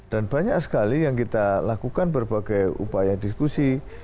dan banyak sekali yang kita lakukan berbagai upaya diskusi